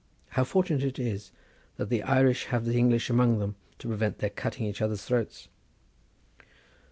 "How fortunate it is that the Irish have the English among them, to prevent their cutting each other's throats."